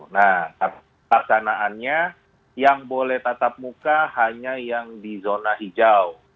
nah pelaksanaannya yang boleh tatap muka hanya yang di zona hijau